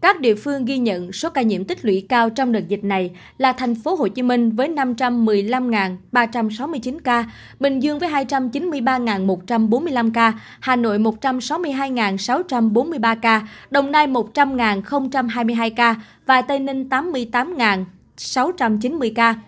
các địa phương ghi nhận số ca nhiễm tích lũy cao trong đợt dịch này là tp hcm với năm trăm một mươi năm ba trăm sáu mươi chín ca bình dương với hai trăm chín mươi ba một trăm bốn mươi năm ca hà nội một trăm sáu mươi hai sáu trăm bốn mươi ba ca đồng nai một trăm linh hai mươi hai ca và tây ninh tám mươi tám sáu trăm chín mươi ca